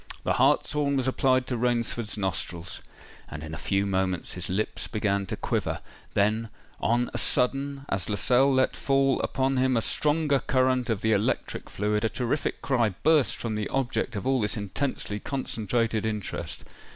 The hartshorn was applied to Rainford's nostrils; and in a few moments his lips began to quiver:—then, on a sudden, as Lascelles let fall upon him a stronger current of the electric fluid, a terrific cry burst from the object of all this intensely concentrated interest!